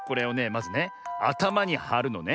まずねあたまにはるのね。